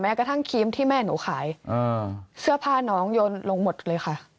กระทั่งครีมที่แม่หนูขายเสื้อผ้าน้องโยนลงหมดเลยค่ะ